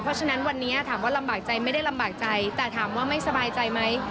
เพราะฉะนั้นวันนี้ถามว่าลำบากใจไม่ได้ลำบากใจแต่ถามว่าไม่สบายใจไหม